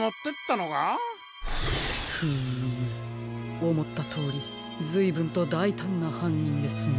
おもったとおりずいぶんとだいたんなはんにんですね。